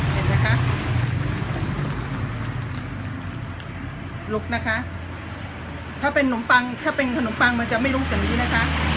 เห็นไหมคะลุกนะคะถ้าเป็นนมปังถ้าเป็นขนมปังมันจะไม่ลุกอย่างนี้นะคะ